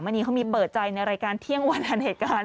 วันนี้เขามีเปิดใจในรายการเที่ยงวันอันเหตุการณ์